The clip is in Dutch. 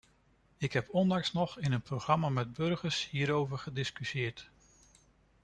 Ik heb onlangs nog in een programma met burgers hierover gediscussieerd.